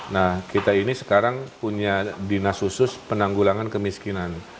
nah kita ini sekarang punya dinas khusus penanggulangan kemiskinan